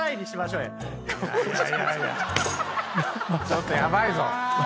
ちょっとヤバいぞ。